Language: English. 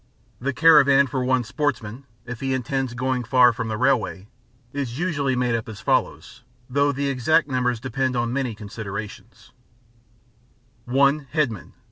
The caravan for one sportsman if he intends going far from the railway is usually made up as follows, though the exact numbers depend upon many considerations: 1 Headman